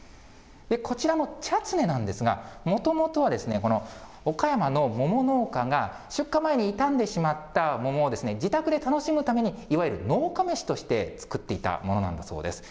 こちらのチャツネなんですが、もともとは、岡山の桃農家が、出荷前に傷んでしまった桃を自宅で楽しむために、いわゆる農家飯として作っていたそうなんです。